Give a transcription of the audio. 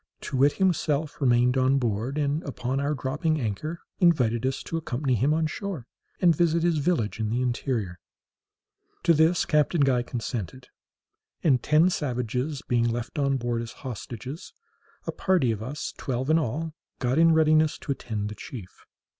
Too wit himself remained on board, and, upon our dropping anchor, invited us to accompany him on shore, and visit his village in the interior. To this Captain Guy consented; and ten savages being left on board as hostages, a party of us, twelve in all, got in readiness to attend the chief.